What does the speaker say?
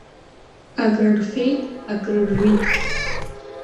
Акры рфеит, акры ржәит.